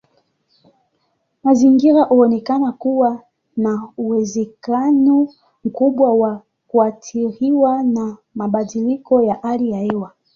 Mazingira huonekana kuwa na uwezekano mkubwa wa kuathiriwa na mabadiliko ya hali ya hewa.